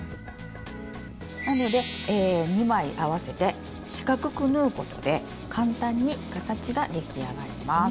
なので２枚合わせて四角く縫うことで簡単に形が出来上がります。